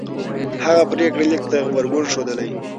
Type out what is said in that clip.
هغه پرېکړه لیک ته غبرګون ښودلی